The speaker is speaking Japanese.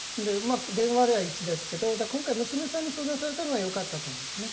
電話では１ですが今回、娘さんに相談されたのがよかったと思いますね。